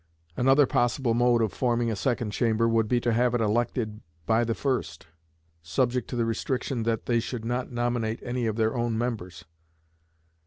Another possible mode of forming a Second Chamber would be to have it elected by the First; subject to the restriction that they should not nominate any of their own members.